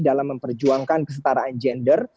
dalam memperjuangkan kesetaraan gender